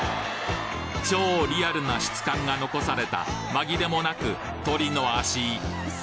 超リアルな質感が残されたまぎれもなく鶏の足！